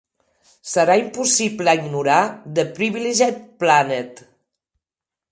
Serà impossible ignorar "The Privileged Planet".